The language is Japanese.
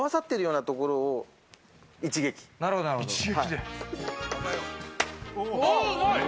なるほど。